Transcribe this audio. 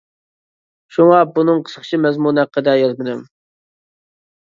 شۇڭا بۇنىڭ قىسقىچە مەزمۇنى ھەققىدە يازمىدىم.